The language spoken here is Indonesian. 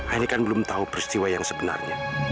ini kan belum tahu peristiwa yang sebenarnya